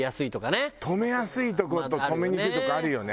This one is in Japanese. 止めやすいとこと止めにくいとこあるよね。